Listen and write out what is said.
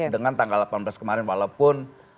dengan tanggal delapan belas kemarin walaupun